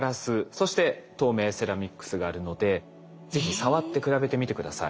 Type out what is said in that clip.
そして透明セラミックスがあるので是非触って比べてみて下さい。